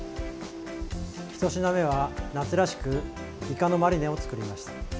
１品目は、夏らしくイカのマリネを作りました。